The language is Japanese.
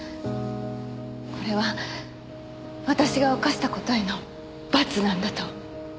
これは私が犯した事への罰なんだと。